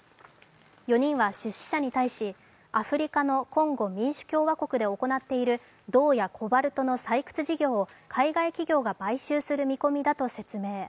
４人は出資者に対し、アフリカのコンゴ民主共和国で行っている銅やコバルトの採掘事業を海外企業が買収する見込みだと説明。